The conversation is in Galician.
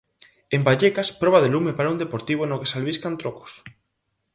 En Vallecas proba de lume para un Deportivo no que se albiscan trocos.